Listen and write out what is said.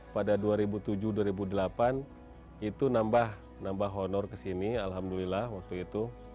pada dua ribu tujuh dua ribu delapan itu nambah honor ke sini alhamdulillah waktu itu